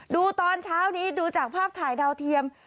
ดูตอนเช้านี้ดูจากภาพถ่ายดาวเทียม